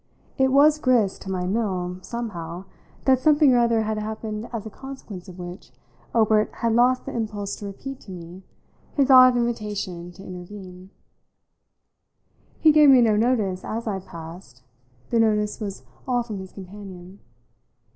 It was grist to my mill somehow that something or other had happened as a consequence of which Obert had lost the impulse to repeat to me his odd invitation to intervene. He gave me no notice as I passed; the notice was all from his companion.